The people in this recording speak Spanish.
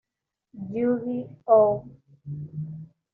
Yuji Oe